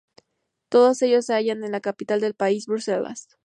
Todos ellos se hallan en la capital del país, Bruselas.